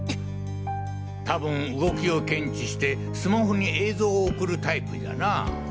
たぶん動きを検知してスマホに映像を送るタイプじゃな。